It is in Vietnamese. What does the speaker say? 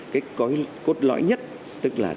cái cốt lõi nhất tức là